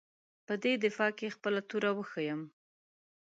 په دې دفاع کې خپله توره وښیيم.